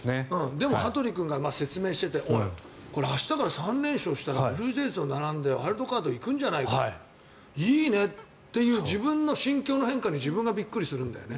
でも、羽鳥君が説明していて明日から３連勝したらブルージェイズと並んでワイルドカードに行くんじゃないかいいねって自分の心境の変化に自分がびっくりするんだよね。